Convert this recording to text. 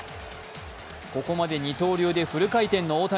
ここまで二刀流でフル回転の大谷。